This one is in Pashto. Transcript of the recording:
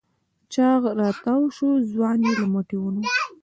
چاغ راتاوشو ځوان يې له مټې ونيو.